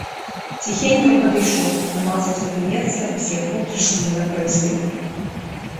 Ціхенька падышоў, намацаў сабе месца і сеў поплеч з ім на прызбе.